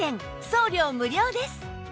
送料無料です